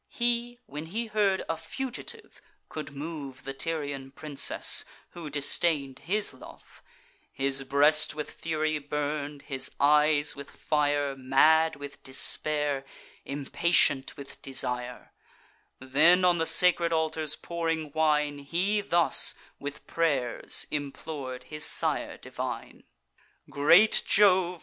He, when he heard a fugitive could move The Tyrian princess, who disdain'd his love, His breast with fury burn'd, his eyes with fire, Mad with despair, impatient with desire; Then on the sacred altars pouring wine, He thus with pray'rs implor'd his sire divine: "Great Jove!